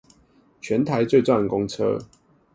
全台最賺公車